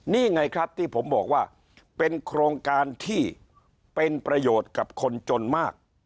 นี่ไงครับที่ผมบอกว่าเป็นโครงการที่เป็นประโยชน์กับคนจนมาก